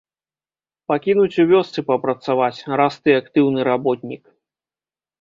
Пакінуць у вёсцы папрацаваць, раз ты актыўны работнік.